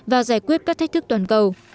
và giải quyết các thách thức toàn cầu